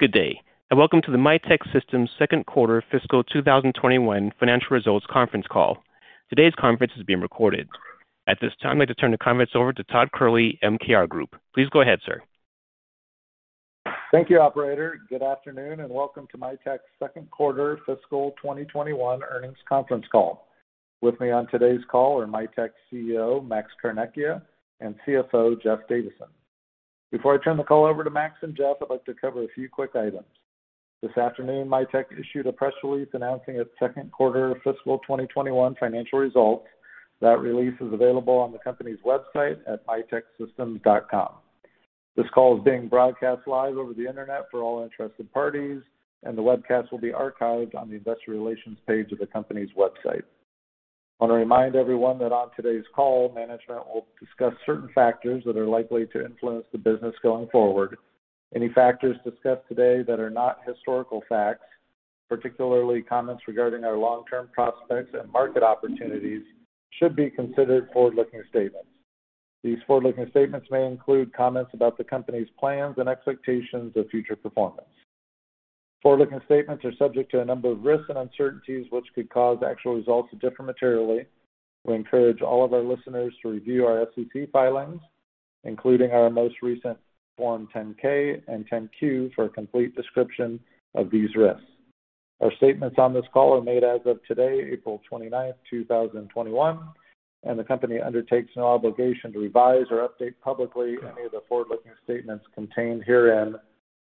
Good day. Welcome to the Mitek Systems Second Quarter Fiscal 2021 Financial Results Conference Call. Today's conference is being recorded. At this time, I'd like to turn the conference over to Todd Kehrli, MKR Group. Please go ahead, sir. Thank you, operator. Good afternoon, and welcome to Mitek's second quarter fiscal 2021 earnings conference call. With me on today's call are Mitek's CEO, Max Carnecchia, and CFO, Jeff Davison. Before I turn the call over to Max and Jeff, I'd like to cover a few quick items. This afternoon, Mitek issued a press release announcing its second quarter fiscal 2021 financial results. That release is available on the company's website at miteksystems.com. This call is being broadcast live over the internet for all interested parties, and the webcast will be archived on the investor relations page of the company's website. I want to remind everyone that on today's call, management will discuss certain factors that are likely to influence the business going forward. Any factors discussed today that are not historical facts, particularly comments regarding our long-term prospects and market opportunities, should be considered forward-looking statements. These forward-looking statements may include comments about the company's plans and expectations of future performance. Forward-looking statements are subject to a number of risks and uncertainties, which could cause actual results to differ materially. We encourage all of our listeners to review our SEC filings, including our most recent Form 10-K and 10-Q for a complete description of these risks. Our statements on this call are made as of today, April 29th, 2021, and the company undertakes no obligation to revise or update publicly any of the forward-looking statements contained herein,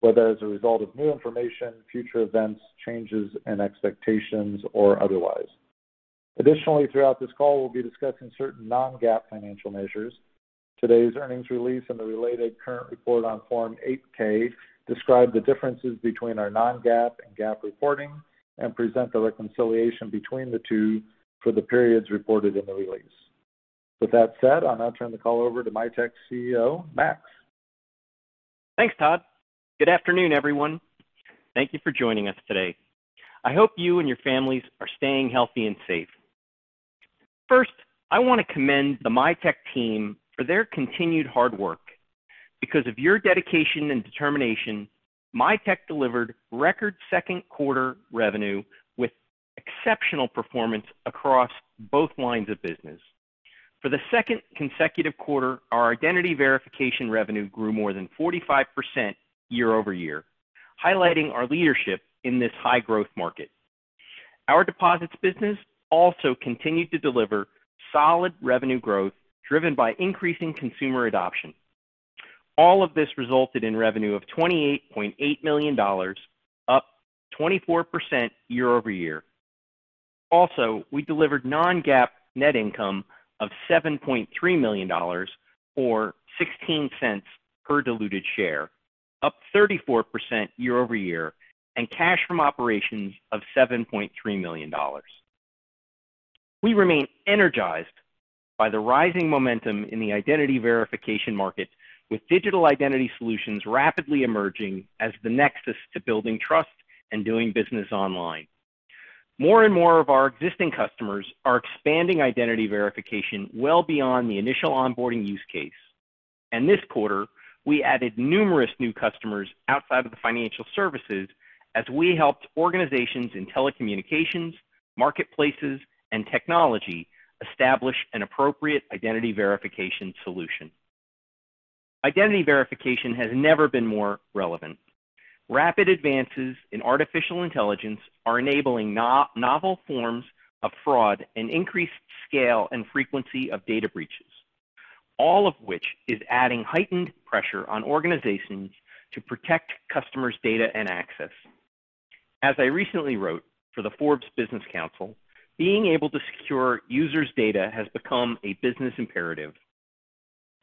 whether as a result of new information, future events, changes in expectations, or otherwise. Additionally, throughout this call, we'll be discussing certain non-GAAP financial measures. Today's earnings release and the related current report on Form 8-K describe the differences between our non-GAAP and GAAP reporting and present a reconciliation between the two for the periods reported in the release. With that said, I'll now turn the call over to Mitek's CEO, Max. Thanks, Todd. Good afternoon, everyone. Thank you for joining us today. I hope you and your families are staying healthy and safe. First, I want to commend the Mitek team for their continued hard work. Because of your dedication and determination, Mitek delivered record second quarter revenue with exceptional performance across both lines of business. For the second consecutive quarter, our identity verification revenue grew more than 45% year-over-year, highlighting our leadership in this high-growth market. Our deposits business also continued to deliver solid revenue growth driven by increasing consumer adoption. All of this resulted in revenue of $28.8 million, up 24% year-over-year. Also, we delivered non-GAAP net income of $7.3 million, or $0.16 per diluted share, up 34% year-over-year, and cash from operations of $7.3 million. We remain energized by the rising momentum in the identity verification market, with digital identity solutions rapidly emerging as the nexus to building trust and doing business online. More and more of our existing customers are expanding identity verification well beyond the initial onboarding use case. This quarter, we added numerous new customers outside of the financial services as we helped organizations in telecommunications, marketplaces, and technology establish an appropriate identity verification solution. Identity verification has never been more relevant. Rapid advances in artificial intelligence are enabling novel forms of fraud and increased scale and frequency of data breaches, all of which is adding heightened pressure on organizations to protect customers' data and access. As I recently wrote for the Forbes Business Council, being able to secure users' data has become a business imperative.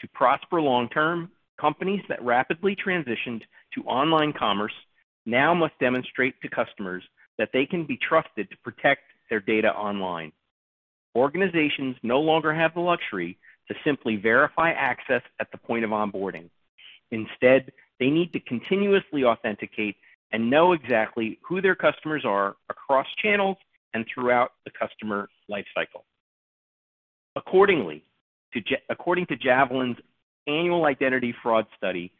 To prosper long term, companies that rapidly transitioned to online commerce now must demonstrate to customers that they can be trusted to protect their data online. Organizations no longer have the luxury to simply verify access at the point of onboarding. Instead, they need to continuously authenticate and know exactly who their customers are across channels and throughout the customer life cycle. According to Javelin's annual identity fraud study,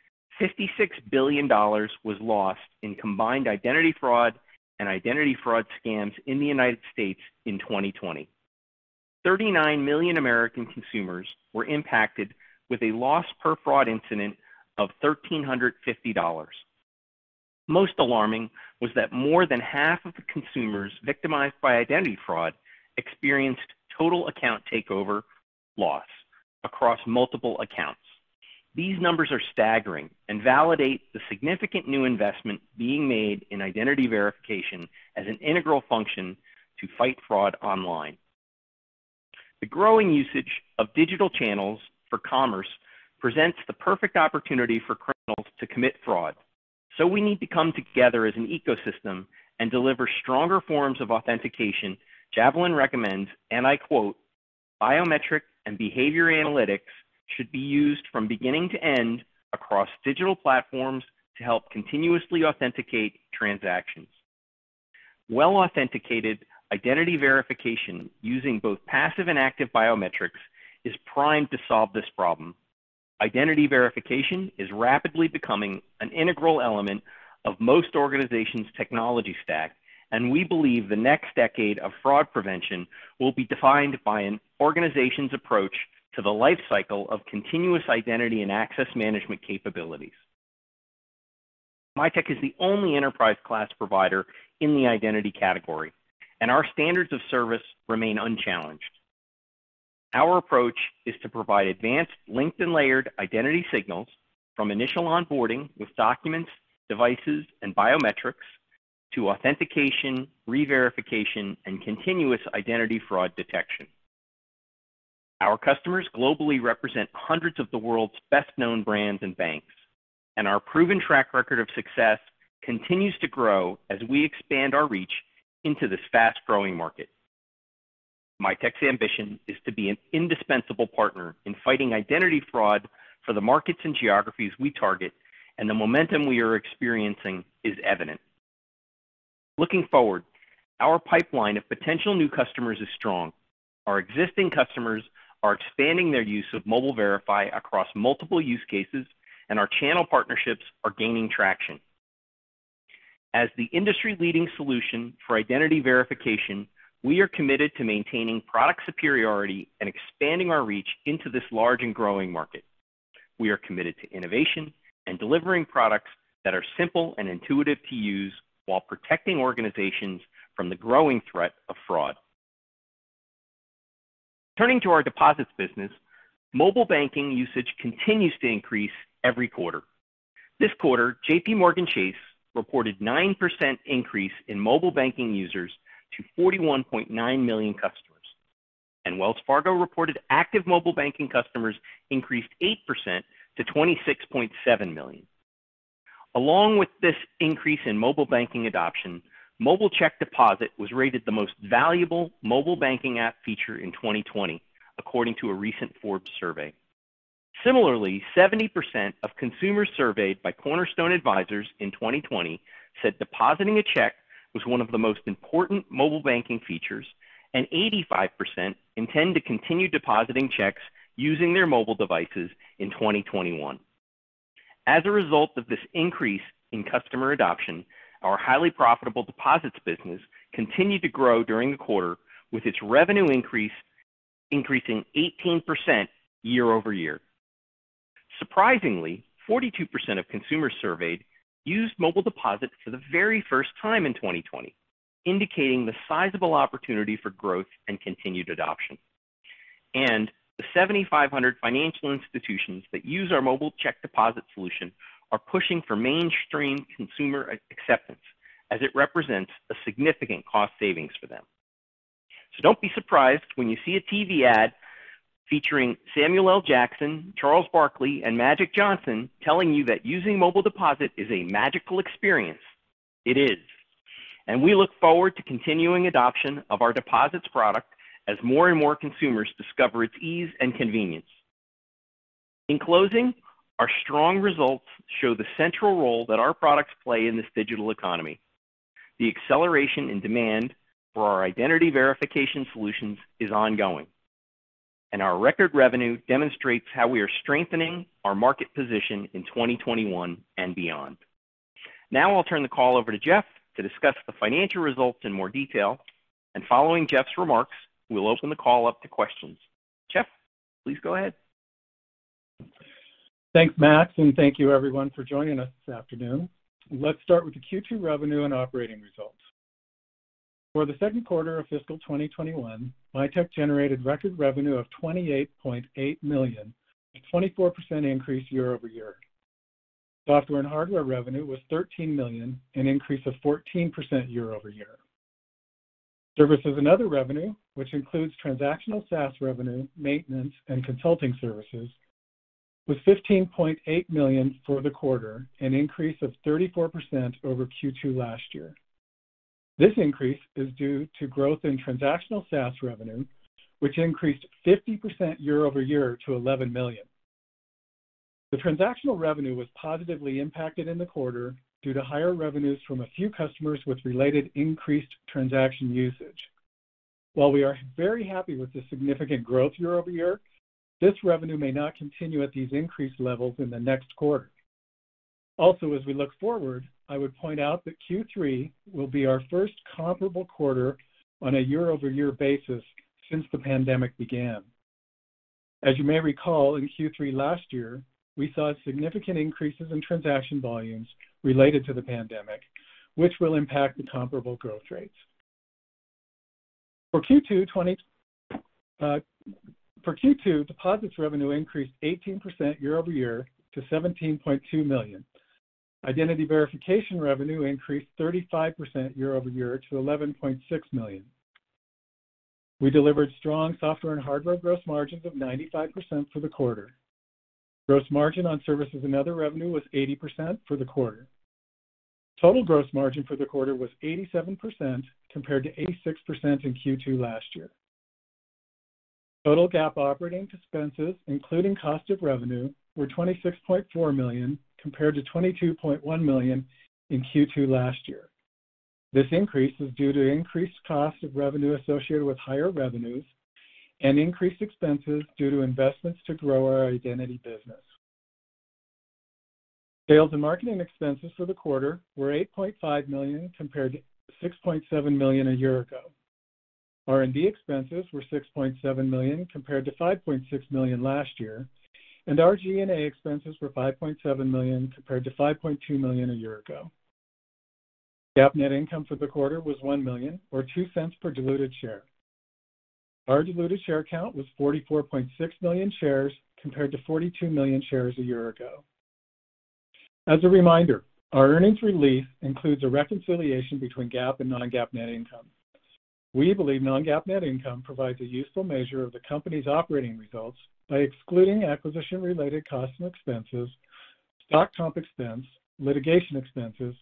$56 billion was lost in combined identity fraud and identity fraud scams in the United States in 2020. 39 million American consumers were impacted with a loss per fraud incident of $1,350. Most alarming was that more than half of the consumers victimized by identity fraud experienced total account takeover loss across multiple accounts. These numbers are staggering and validate the significant new investment being made in identity verification as an integral function to fight fraud online. The growing usage of digital channels for commerce presents the perfect opportunity for criminals to commit fraud. We need to come together as an ecosystem and deliver stronger forms of authentication. Javelin recommends, and I quote, "Biometric and behavior analytics should be used from beginning to end across digital platforms to help continuously authenticate transactions." Well-authenticated identity verification using both passive and active biometrics is primed to solve this problem. Identity verification is rapidly becoming an integral element of most organizations' technology stack, and we believe the next decade of fraud prevention will be defined by an organization's approach to the life cycle of continuous identity and access management capabilities. Mitek is the only enterprise-class provider in the identity category, and our standards of service remain unchallenged. Our approach is to provide advanced linked and layered identity signals from initial onboarding with documents, devices, and biometrics to authentication, re-verification, and continuous identity fraud detection. Our customers globally represent hundreds of the world's best-known brands and banks, and our proven track record of success continues to grow as we expand our reach into this fast-growing market. Mitek's ambition is to be an indispensable partner in fighting identity fraud for the markets and geographies we target, and the momentum we are experiencing is evident. Looking forward, our pipeline of potential new customers is strong. Our existing customers are expanding their use of Mobile Verify across multiple use cases, and our channel partnerships are gaining traction. As the industry-leading solution for identity verification, we are committed to maintaining product superiority and expanding our reach into this large and growing market. We are committed to innovation and delivering products that are simple and intuitive to use while protecting organizations from the growing threat of fraud. Turning to our deposits business, mobile banking usage continues to increase every quarter. This quarter, JPMorgan Chase reported 9% increase in mobile banking users to 41.9 million customers. Wells Fargo reported active mobile banking customers increased 8% to 26.7 million. Along with this increase in mobile banking adoption, mobile check deposit was rated the most valuable mobile banking app feature in 2020, according to a recent Forbes survey. Similarly, 70% of consumers surveyed by Cornerstone Advisors in 2020 said depositing a check was one of the most important mobile banking features, and 85% intend to continue depositing checks using their mobile devices in 2021. As a result of this increase in customer adoption, our highly profitable deposits business continued to grow during the quarter, with its revenue increasing 18% year-over-year. Surprisingly, 42% of consumers surveyed used Mobile Deposit for the very first time in 2020, indicating the sizable opportunity for growth and continued adoption. The 7,500 financial institutions that use our mobile check deposit solution are pushing for mainstream consumer acceptance as it represents a significant cost savings for them. Don't be surprised when you see a TV ad featuring Samuel L. Jackson, Charles Barkley, and Magic Johnson telling you that using Mobile Deposit is a magical experience. It is. We look forward to continuing adoption of our deposits product as more and more consumers discover its ease and convenience. In closing, our strong results show the central role that our products play in this digital economy. The acceleration in demand for our identity verification solutions is ongoing, and our record revenue demonstrates how we are strengthening our market position in 2021 and beyond. I'll turn the call over to Jeff to discuss the financial results in more detail. Following Jeff's remarks, we'll open the call up to questions. Jeff, please go ahead. Thanks, Max. Thank you everyone for joining us this afternoon. Let's start with the Q2 revenue and operating results. For the second quarter of fiscal 2021, Mitek generated record revenue of $28.8 million, a 24% increase year-over-year. Software and hardware revenue was $13 million, an increase of 14% year-over-year. Services and other revenue, which includes transactional SaaS revenue, maintenance, and consulting services, was $15.8 million for the quarter, an increase of 34% over Q2 last year. This increase is due to growth in transactional SaaS revenue, which increased 50% year-over-year to $11 million. The transactional revenue was positively impacted in the quarter due to higher revenues from a few customers with related increased transaction usage. While we are very happy with the significant growth year-over-year, this revenue may not continue at these increased levels in the next quarter. Also, as we look forward, I would point out that Q3 will be our first comparable quarter on a year-over-year basis since the pandemic began. As you may recall, in Q3 last year, we saw significant increases in transaction volumes related to the pandemic, which will impact the comparable growth rates. For Q2, deposits revenue increased 18% year-over-year to $17.2 million. Identity verification revenue increased 35% year-over-year to $11.6 million. We delivered strong software and hardware gross margins of 95% for the quarter. Gross margin on services and other revenue was 80% for the quarter. Total gross margin for the quarter was 87% compared to 86% in Q2 last year. Total GAAP operating expenses, including cost of revenue, were $26.4 million, compared to $22.1 million in Q2 last year. This increase is due to increased cost of revenue associated with higher revenues and increased expenses due to investments to grow our identity business. Sales and marketing expenses for the quarter were $8.5 million compared to $6.7 million a year ago. R&D expenses were $6.7 million compared to $5.6 million last year, and our G&A expenses were $5.7 million compared to $5.2 million a year ago. GAAP net income for the quarter was $1 million, or $0.02 per diluted share. Our diluted share count was 44.6 million shares compared to 42 million shares a year ago. As a reminder, our earnings release includes a reconciliation between GAAP and non-GAAP net income. We believe non-GAAP net income provides a useful measure of the company's operating results by excluding acquisition-related costs and expenses, stock comp expense, litigation expenses,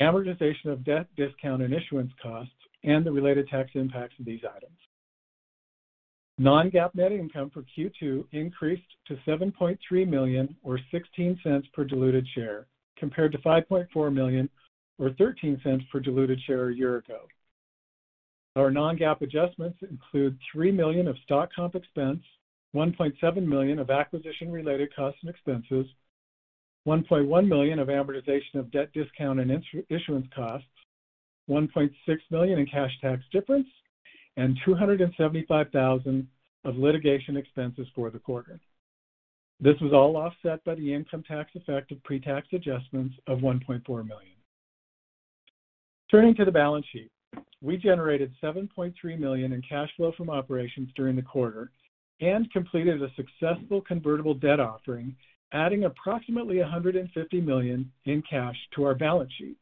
amortization of debt discount and issuance costs, and the related tax impacts of these items. Non-GAAP net income for Q2 increased to $7.3 million, or $0.16 per diluted share, compared to $5.4 million or $0.13 per diluted share a year ago. Our non-GAAP adjustments include $3 million of stock comp expense, $1.7 million of acquisition-related costs and expenses, $1.1 million of amortization of debt discount and issuance costs, $1.6 million in cash tax difference, and $275,000 of litigation expenses for the quarter. This was all offset by the income tax effect of pre-tax adjustments of $1.4 million. Turning to the balance sheet, we generated $7.3 million in cash flow from operations during the quarter and completed a successful convertible debt offering, adding approximately $150 million in cash to our balance sheet,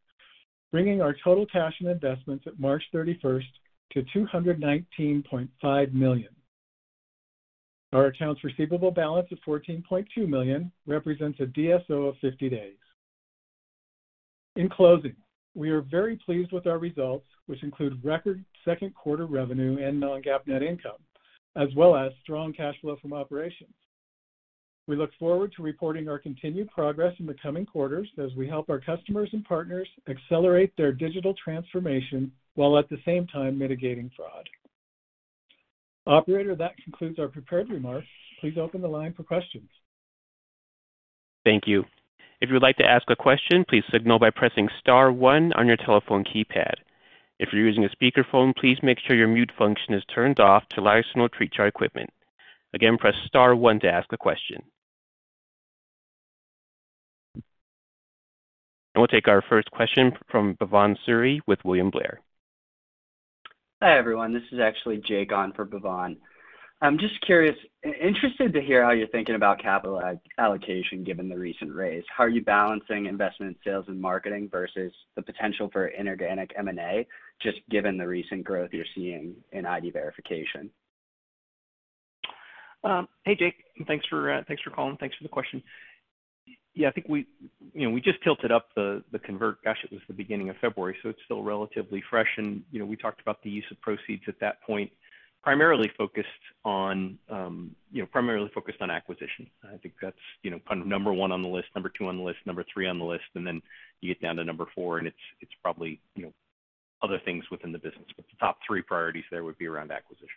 bringing our total cash and investments at March 31st to $219.5 million. Our accounts receivable balance of $14.2 million represents a DSO of 50 days. In closing, we are very pleased with our results, which include record second quarter revenue and non-GAAP net income, as well as strong cash flow from operations. We look forward to reporting our continued progress in the coming quarters as we help our customers and partners accelerate their digital transformation while at the same time mitigating fraud. Operator, that concludes our prepared remarks. Please open the line for questions. Thank you. If you would like to ask a question, please signal by pressing star one on your telephone keypad. If you're using a speakerphone, please make sure your mute function is turned off to allow us to know to treat your equipment. Again, press star one to ask a question. We'll take our first question from Bhavan Suri with William Blair. Hi, everyone. This is actually Jake on for Bhavan. I'm just curious, interested to hear how you're thinking about capital allocation given the recent raise. How are you balancing investment in sales and marketing versus the potential for inorganic M&A, just given the recent growth you're seeing in ID verification? Hey, Jake. Thanks for calling. Thanks for the question. Yeah, I think we just tilted up the convert, gosh, it was the beginning of February, so it's still relatively fresh. We talked about the use of proceeds at that point, primarily focused on acquisition. I think that's number one on the list, number two on the list, number three on the list, and then you get down to number four, and it's probably other things within the business. The top three priorities there would be around acquisition.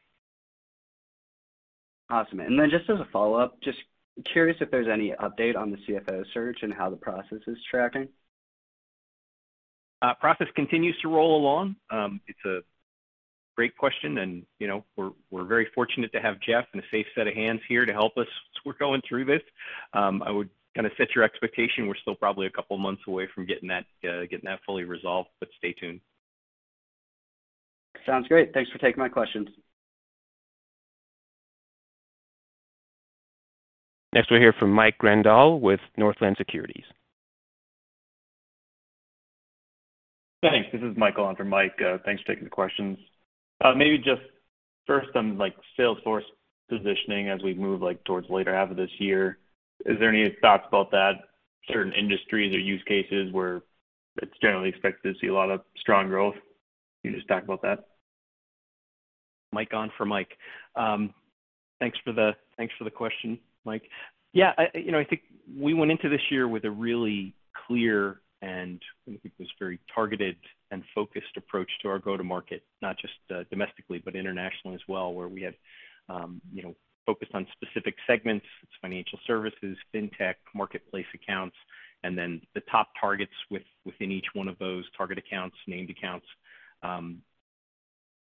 Awesome. Just as a follow-up, just curious if there's any update on the CFO search and how the process is tracking. Process continues to roll along. It's a great question, and we're very fortunate to have Jeff and a safe set of hands here to help us as we're going through this. I would set your expectation, we're still probably a couple of months away from getting that fully resolved, but stay tuned. Sounds great. Thanks for taking my questions. Next, we'll hear from Mike Grondahl with Northland Securities. Thanks. This is Michael on for Mike. Thanks for taking the questions. Maybe just first on sales force positioning as we move towards the latter half of this year. Is there any thoughts about that, certain industries or use cases where it's generally expected to see a lot of strong growth? Can you just talk about that? Mike on for Mike. Thanks for the question, Mike. Yeah, I think we went into this year with a really clear, and I think it was very targeted and focused approach to our go-to-market, not just domestically, but internationally as well, where we had focused on specific segments. It's financial services, fintech, marketplace accounts, and then the top targets within each one of those target accounts, named accounts,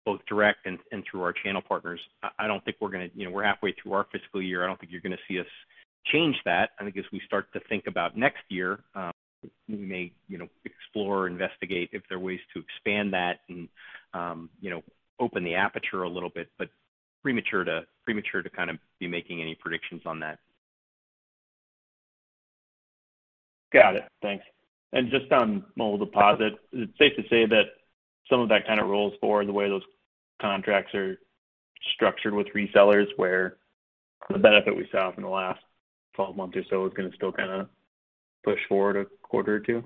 both direct and through our channel partners. We're halfway through our fiscal year. I don't think you're going to see us change that. I think as we start to think about next year, we may explore or investigate if there are ways to expand that and open the aperture a little bit, but premature to be making any predictions on that. Got it. Thanks. Just on Mobile Deposit, is it safe to say that some of that kind of rolls forward the way those contracts are structured with resellers, where the benefit we saw from the last 12 months or so is going to still push forward a quarter or two?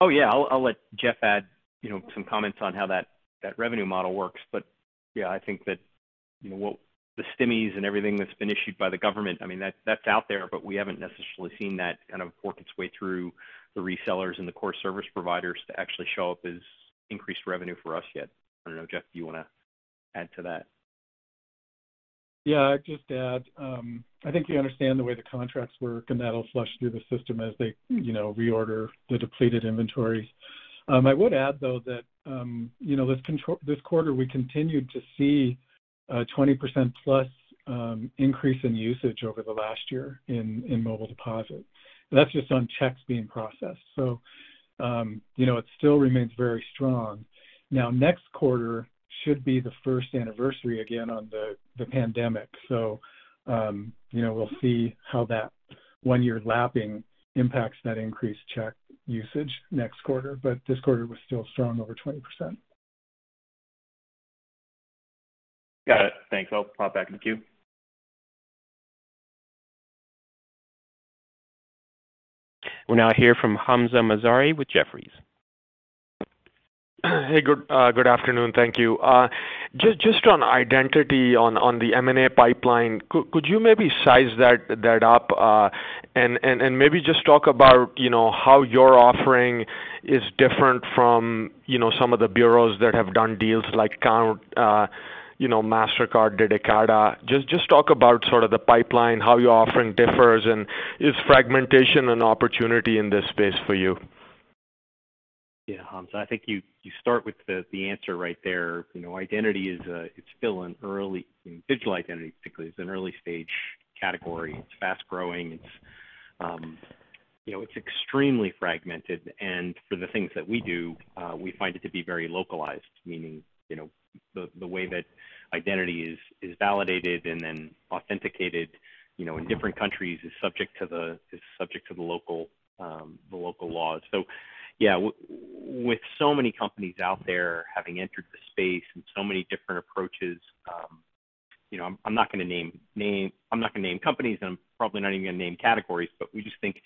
Oh, yeah. I'll let Jeff add some comments on how that revenue model works. Yeah, I think that the stims and everything that's been issued by the government, that's out there, but we haven't necessarily seen that kind of work its way through the resellers and the core service providers to actually show up as increased revenue for us yet. I don't know, Jeff, do you want to add to that? Yeah. I'd just add, I think you understand the way the contracts work, and that'll flush through the system as they reorder the depleted inventories. I would add, though, that this quarter, we continued to see a 20%+ increase in usage over the last year in Mobile Deposit. That's just on checks being processed. It still remains very strong. Next quarter should be the first anniversary again on the pandemic. We'll see how that one year lapping impacts that increased check usage next quarter. This quarter was still strong, over 20%. Got it. Thanks. I'll pop back in the queue. We'll now hear from Hamzah Mazari with Jefferies. Hey. Good afternoon. Thank you. Just on identity on the M&A pipeline, could you maybe size that up and maybe just talk about how your offering is different from some of the bureaus that have done deals like Mastercard did with Ekata. Just talk about sort of the pipeline, how your offering differs, is fragmentation an opportunity in this space for you? Hamzah, I think you start with the answer right there. Digital identity, particularly, is an early-stage category. It's fast-growing. It's extremely fragmented. For the things that we do, we find it to be very localized, meaning the way that identity is validated and then authenticated in different countries is subject to the local laws. With so many companies out there having entered the space and so many different approaches, I'm not going to name companies, and I'm probably not even going to name categories. We just think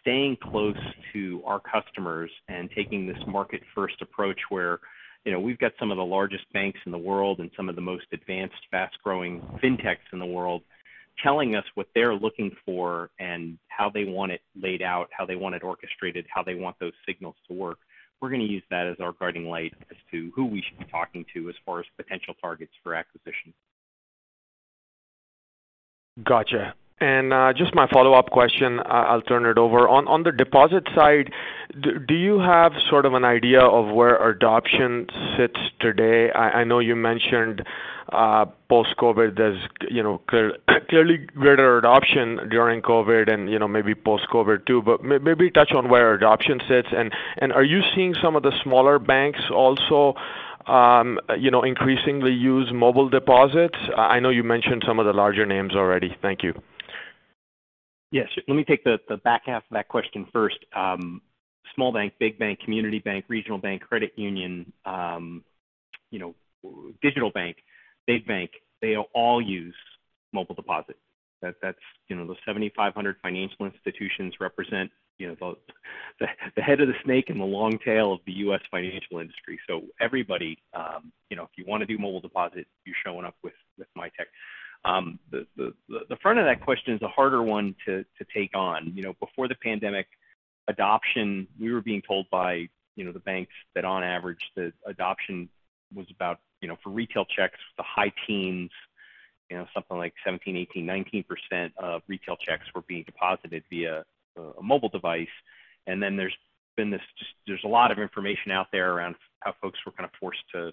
staying close to our customers and taking this market-first approach where we've got some of the largest banks in the world and some of the most advanced, fast-growing fintechs in the world telling us what they're looking for and how they want it laid out, how they want it orchestrated, how they want those signals to work. We're going to use that as our guiding light as to who we should be talking to as far as potential targets for acquisition. Got you. Just my follow-up question, I'll turn it over. On the deposit side, do you have sort of an idea of where adoption sits today? I know you mentioned post-COVID. There's clearly greater adoption during COVID and maybe post-COVID, too. Maybe touch on where adoption sits. Are you seeing some of the smaller banks also increasingly use Mobile Deposits? I know you mentioned some of the larger names already. Thank you. Yes. Let me take the back half of that question first. Small bank, big bank, community bank, regional bank, credit union, digital bank, big bank, they all use Mobile Deposit. Those 7,500 financial institutions represent the head of the snake and the long tail of the U.S. financial industry. Everybody, if you want to do Mobile Deposit, you're showing up with Mitek. The front of that question is a harder one to take on. Before the pandemic, adoption, we were being told by the banks that on average, the adoption was about, for retail checks, the high teens, something like 17%, 18%, 19% of retail checks were being deposited via a mobile device. Then there's a lot of information out there around how folks were kind of forced to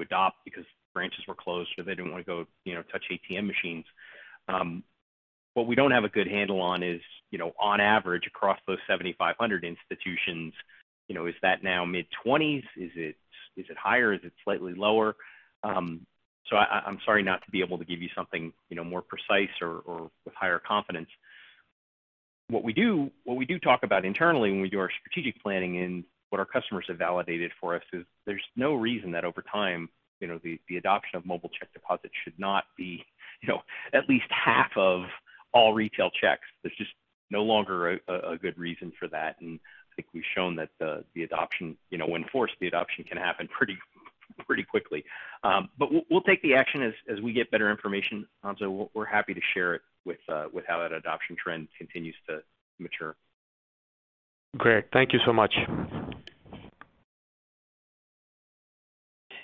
adopt because branches were closed or they didn't want to go touch ATM machines. What we don't have a good handle on is, on average, across those 7,500 institutions, is that now mid-20s? Is it higher? Is it slightly lower? I'm sorry not to be able to give you something more precise or with higher confidence. What we do talk about internally when we do our strategic planning and what our customers have validated for us is there's no reason that over time, the adoption of mobile check deposits should not be at least half of all retail checks. There's just no longer a good reason for that. I think we've shown that when forced, the adoption can happen pretty quickly. We'll take the action as we get better information, Hamzah. We're happy to share it with how that adoption trend continues to mature. Great. Thank you so much.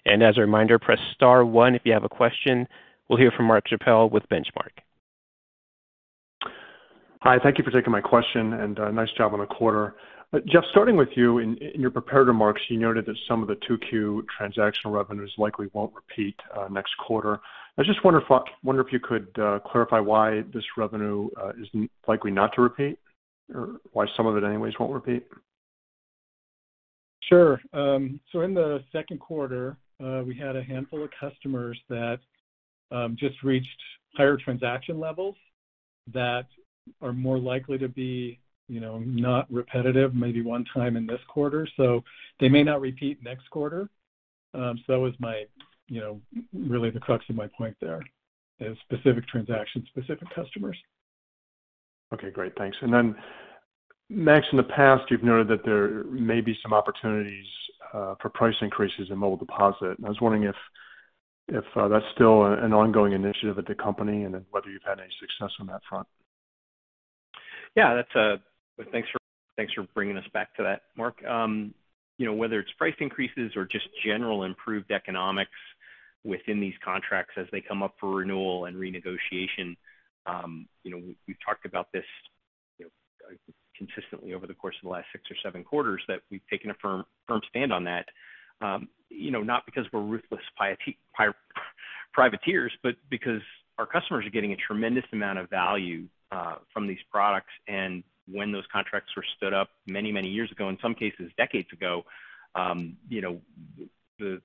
As a reminder, press star one if you have a question. We'll hear from Mark Schappel with Benchmark. Hi. Thank you for taking my question, and nice job on the quarter. Jeff, starting with you, in your prepared remarks, you noted that some of the 2Q transactional revenues likely won't repeat next quarter. I just wonder if you could clarify why this revenue is likely not to repeat, or why some of it anyways won't repeat. Sure. In the second quarter, we had a handful of customers that just reached higher transaction levels that are more likely to be not repetitive, maybe one time in this quarter. They may not repeat next quarter. That was really the crux of my point there, is specific transactions, specific customers. Okay, great. Thanks. Then, Max, in the past, you've noted that there may be some opportunities for price increases in Mobile Deposit, and I was wondering if that's still an ongoing initiative at the company and then whether you've had any success on that front. Yeah. Thanks for bringing us back to that, Mark. Whether it's price increases or just general improved economics within these contracts as they come up for renewal and renegotiation. We've talked about this consistently over the course of the last six or seven quarters that we've taken a firm stand on that. Not because we're ruthless privateers, but because our customers are getting a tremendous amount of value from these products. When those contracts were stood up many years ago, in some cases decades ago, the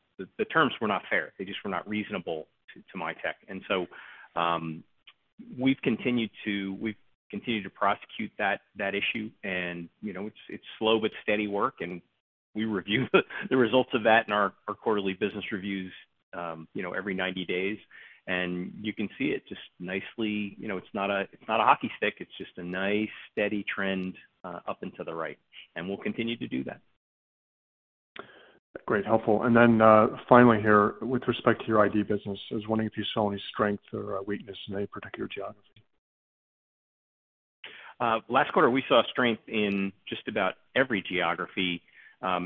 terms were not fair. They just were not reasonable to Mitek. So, we've continued to prosecute that issue and it's slow but steady work, and we review the results of that in our quarterly business reviews every 90 days. You can see it just nicely. It's not a hockey stick. It's just a nice steady trend up and to the right, and we'll continue to do that. Great. Helpful. Finally here, with respect to your ID business, I was wondering if you saw any strength or weakness in any particular geography. Last quarter, we saw strength in just about every geography.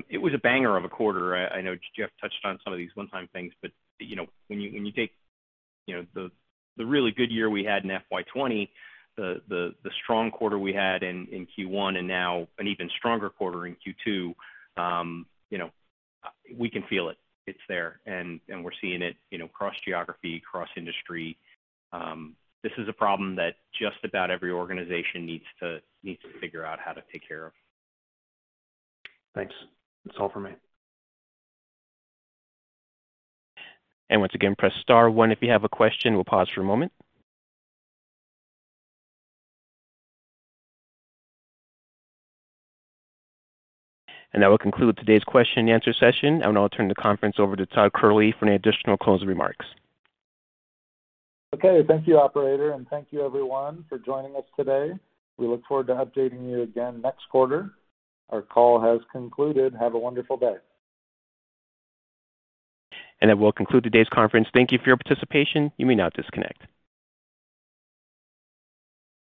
It was a banger of a quarter. I know Jeff touched on some of these one-time things, but when you take the really good year we had in FY 2020, the strong quarter we had in Q1, and now an even stronger quarter in Q2. We can feel it. It's there, and we're seeing it cross-geography, cross-industry. This is a problem that just about every organization needs to figure out how to take care of. Thanks. That's all for me. Once again, press star one if you have a question. We'll pause for a moment. That will conclude today's question and answer session, and I'll turn the conference over to Todd Kehrli for any additional closing remarks. Okay. Thank you, operator, and thank you everyone for joining us today. We look forward to updating you again next quarter. Our call has concluded. Have a wonderful day. That will conclude today's conference. Thank you for your participation. You may now disconnect.